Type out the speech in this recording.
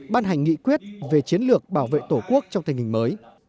ban hành nghị quyết về chiến lược bảo vệ tổ quốc trong tình hình mới